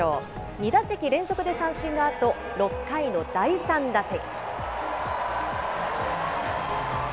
２打席連続で三振のあと、６回の第３打席。